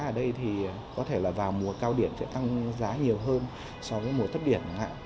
ở đây thì có thể là vào mùa cao điểm sẽ tăng giá nhiều hơn so với mùa thấp điển